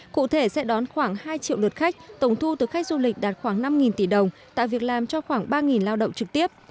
cụ thể sẽ đón khoảng hai triệu lượt khách tổng thu từ khách du lịch đạt khoảng năm tỷ đồng tạo việc làm cho khoảng ba lao động trực tiếp